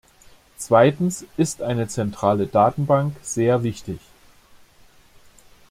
Zweitens ist eine zentrale Datenbank sehr wichtig.